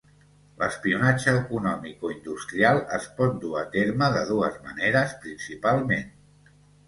L'espionatge econòmic o industrial es pot dur a terme de dues maneres principalment.